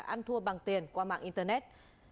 ăn thua bằng tiền qua mạng internet